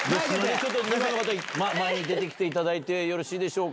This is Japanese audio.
２番の方前に出てきていただいてよろしいでしょうか。